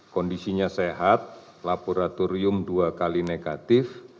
kondisinya sehat laboratorium dua kali negatif